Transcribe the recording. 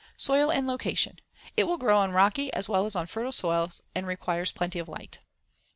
Soil and location: It will grow on rocky as well as on fertile soils and requires plenty of light.